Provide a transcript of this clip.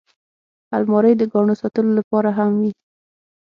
الماري د ګاڼو ساتلو لپاره هم وي